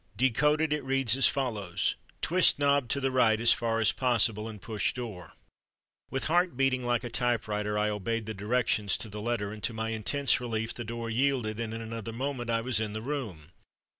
De coded, it reads as follows—Twist knob to the right as far as possible and push door. With heart beating like a typewriter I obeyed the directions to the letter, and to my intense relief the door yielded and in another moment I was in the room!